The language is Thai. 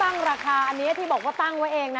ราคาอันนี้ที่บอกว่าตั้งไว้เองนะ